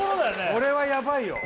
これはやばいよ